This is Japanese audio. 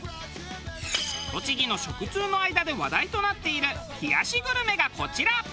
栃木の食通の間で話題となっている冷やしグルメがこちら。